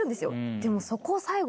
でもそこを最後。